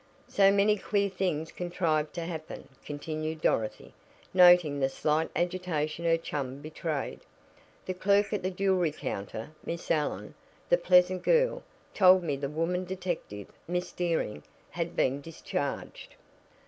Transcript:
"So many queer things contrived to happen," continued Dorothy, noting the slight agitation her chum betrayed. "The clerk at the jewelry counter Miss Allen, the pleasant girl told me the woman detective, Miss Dearing, had been discharged."